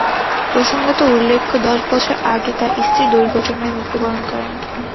প্রসঙ্গত উল্লেখ্য, দশ বছর আগে তাঁর স্ত্রীও দূর্ঘটনায় মৃত্যুবরণ করেন।